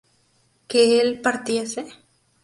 ¿que él partiese?